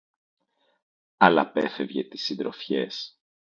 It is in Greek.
Αλλ' απέφευγε τις συντροφιές